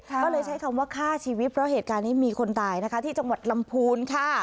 ก็เลยใช้คำว่าฆ่าชีวิตเพราะเหตุการณ์นี้มีคนตายนะคะที่จังหวัดลำพูนค่ะ